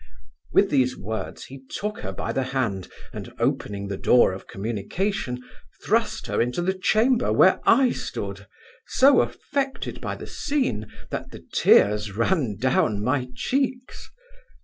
With these words, he took her by the hand, and, opening the door of communication, thrust her into the chamber where I stood, so affected by the scene, that the tears ran down my cheeks.